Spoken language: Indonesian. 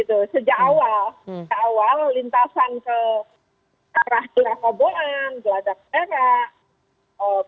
sejak awal lintasan ke arah gelakoboan geladak perak